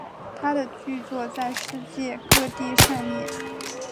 他的剧作在世界各地上演。